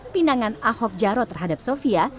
pinangan ahok jarot terhadap sofia